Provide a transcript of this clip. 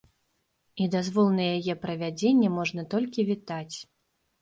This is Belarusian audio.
І дазвол на яе правядзенне можна толькі вітаць.